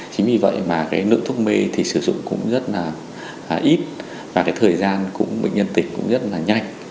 chính vì vậy mà cái nước thuốc mê thì sử dụng cũng rất là ít và cái thời gian bệnh nhân tỉnh cũng rất là nhanh